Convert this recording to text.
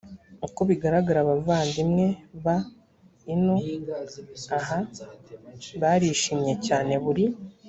uko bigaragara abavandimwe b ino aha barishimye cyane buri